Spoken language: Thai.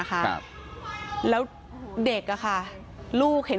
พนักงานในร้าน